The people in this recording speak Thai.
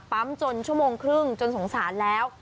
จนชั่วโมงครึ่งจนสงสารแล้ว